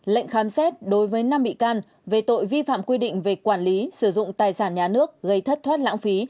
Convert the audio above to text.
lệnh khám xét đối với năm bị can về tội vi phạm quy định về quản lý sử dụng tài sản nhà nước gây thất thoát lãng phí